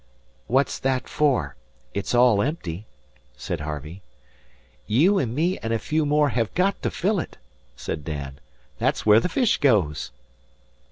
"What's that for? It's all empty," said Harvey. "You an' me an' a few more hev got to fill it," said Dan. "That's where the fish goes."